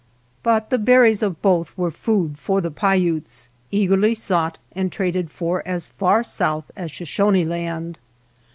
But the berries of both were food for the Paiutes, eagerly sought and traded for as far south as Shoshone Land.